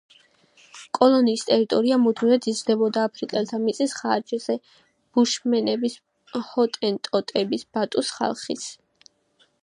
კოლონიის ტერიტორია მუდმივად იზრდებოდა აფრიკელთა მიწის ხარჯზე: ბუშმენების, ჰოტენტოტების, ბანტუს ხალხის.